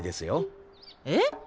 えっ？